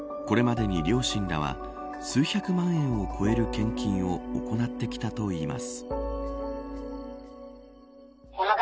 これまでに両親らは数百万円を超える献金を行ってきたといいます。